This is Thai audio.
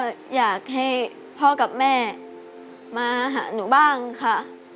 ก็อยากให้พ่อกับแม่มาหาหนูบ้างค่ะ